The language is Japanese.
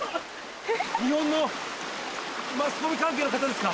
日本のマスコミ関係の方ですか？